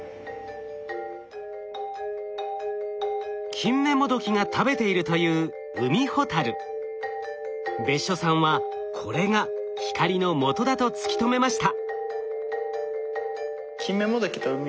キンメモドキが食べているという別所さんはこれが光のもとだと突き止めました。